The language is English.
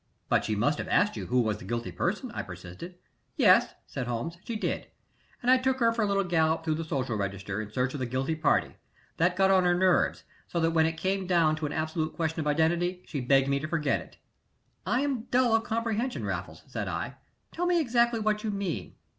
"But she must have asked you who was the guilty person?" I persisted. "Yes," said Holmes, "she did, and I took her for a little gallop through the social register, in search of the guilty party; that got on her nerves, so that when it came down to an absolute question of identity she begged me to forget it." "I am dull of comprehension, Raffles," said I. "Tell me exactly what you mean."